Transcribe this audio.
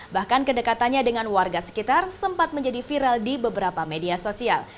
bahkan kedekatannya dengan warga sekitar sempat menjadi viral di beberapa media sosial